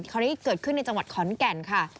คราวนี้เกิดขึ้นในจังหวัดขอนแก่นค่ะ